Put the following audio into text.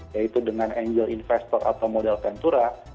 yaitu dengan angel investor atau modal pentura